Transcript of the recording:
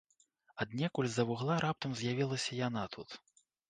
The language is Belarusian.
Аднекуль з-за вугла раптам з'явілася яна тут.